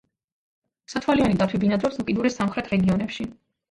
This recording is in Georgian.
სათვალიანი დათვი ბინადრობს უკიდურეს სამხრეთ რეგიონებში.